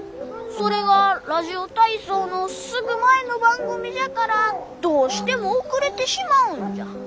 それがラジオ体操のすぐ前の番組じゃからどうしても遅れてしまうんじゃ。